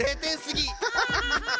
ハハハハ！